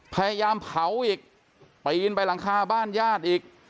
พยายามเผาอีกปีนไปหลังคาบ้านญาติอีก